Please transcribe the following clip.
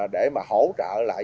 để mà hỗ trợ lại